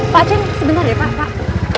pak cen sebentar ya pak